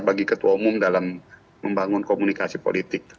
bagi ketua umum dalam membangun komunikasi politik